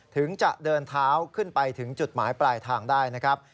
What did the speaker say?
ถึงจะเดินเท้าขึ้นไปถึงจุดหมายปลายทางได้นะครับ